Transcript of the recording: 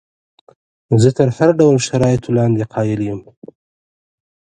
زه تر هر ډول شرایطو لاندې قایل یم.